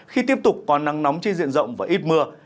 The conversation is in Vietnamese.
khi tiếp tục có nắng nóng trên diện rộng và ít mưa